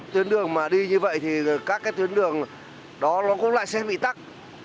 tuyến đường mà đi như vậy thì các cái tuyến đường đó nó cũng lại sẽ bị tắt